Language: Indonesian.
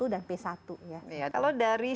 dan b satu ya kalau dari